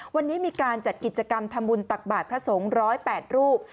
วันนี้มีการจัดกิจกรรมทำบุญตักบาทพระสงฆ์๑๐๘รูป